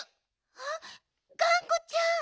あっがんこちゃん。